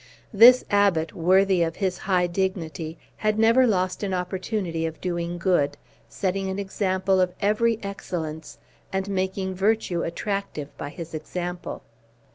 This Abbot, worthy of his high dignity, had never lost an opportunity of doing good, setting an example of every excellence, and making virtue attractive by his example.